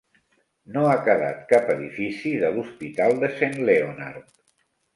No ha quedat cap edifici de l'hospital de Saint Leonard.